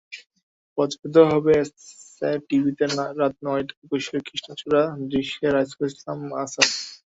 প্রচারিত হবে S A রাত নয়টায়একুশের কৃষ্ণচূড়ার দৃশ্যে রাইসুল ইসলাম আসাদ।